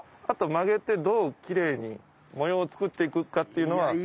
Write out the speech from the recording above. あと曲げてどうキレイに模様を作っていくかっていうのは。